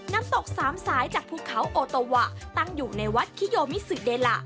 น้ำตกสามสายจากภูเขาโอโตวะตั้งอยู่ในวัดคิโยมิสุเดละ